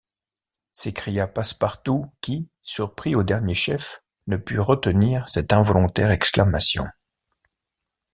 s’écria Passepartout, qui, surpris au dernier chef, ne put retenir cette involontaire exclamation.